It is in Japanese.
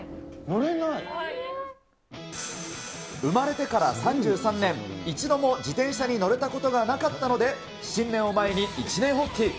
生まれてから３３年、一度も自転車に乗れたことがなかったので、新年を前に一念発起。